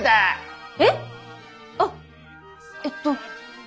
えっ？あっえっと。